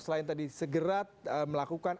selain tadi segera melakukan